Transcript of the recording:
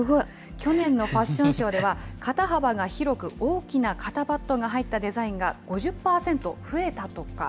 去年のファッションショーでは、肩幅が広く、大きな肩パッドが入ったデザインが、５０％増えたとか。